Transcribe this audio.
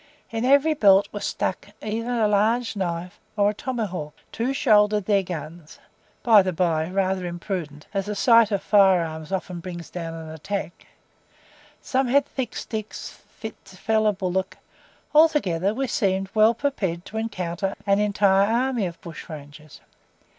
In every belt was stuck either a large knife or a tomahawk; two shouldered their guns (by the bye, rather imprudent, as the sight of fire arms often brings down an attack); some had thick sticks, fit to fell a bullock; altogether, we seemed well prepared to encounter an entire army of bushrangers.